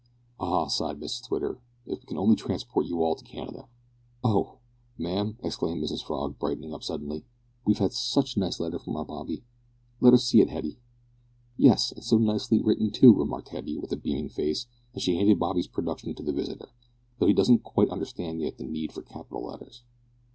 "Ah!" sighed Mrs Twitter, "if we could only transport you all to Canada " "Oh! ma'am," exclaimed Mrs Frog, brightening up suddenly, "we've had such a nice letter from our Bobby. Let her see it, Hetty." "Yes, and so nicely written, too," remarked Hetty, with a beaming face, as she handed Bobby's production to the visitor, "though he doesn't quite understand yet the need for capital letters."